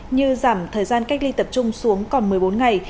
như giảm thời gian cách ly tập trung xuống còn một mươi bốn ngày